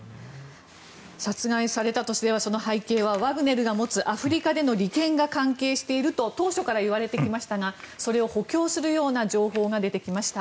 殺害されたとすればその背景はワグネルが持つアフリカでの利権が関係していると当初からいわれてきましたがそれを補強するような情報が出てきました。